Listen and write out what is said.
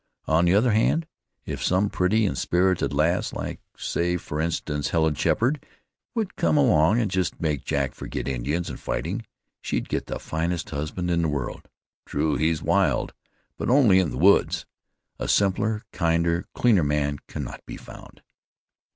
On the other hand, if some pretty and spirited lass, like, say for instance, Helen Sheppard, would come along and just make Jack forget Indians and fighting, she'd get the finest husband in the world. True, he's wild; but only in the woods. A simpler, kinder, cleaner man cannot be found."